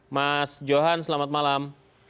mas johan selamat malam